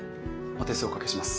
お手数おかけします。